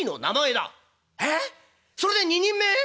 「えっ？それで二人前？